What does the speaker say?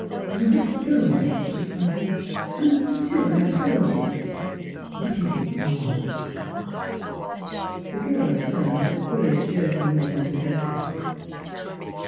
'' You are not going," she cried, " until I have told you. ... What is it you want? " The girl turned with a queer, jerky movement of her head.